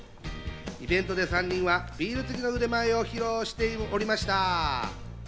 イベントで３人はビール注ぎの腕前を披露しておりました。